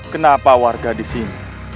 kenapa warga disini